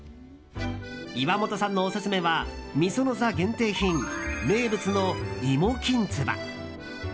岩本さんのオススメは御園座限定品、名物の芋きんつば。